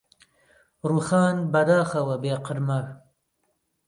ڕووخان بەداخەوە بێ قرمە